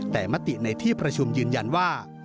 แต่มติในที่ประชุมยืนยันว่า